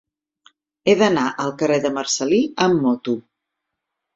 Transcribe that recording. He d'anar al carrer de Marcel·lí amb moto.